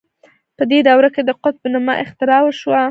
په دې دوره کې د قطب نماء اختراع وشوه.